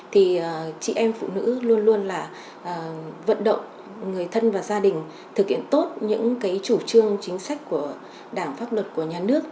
thì chị em phụ nữ luôn luôn là vận động người thân và gia đình thực hiện tốt những cái chủ trương chính sách của đảng pháp luật của nhà nước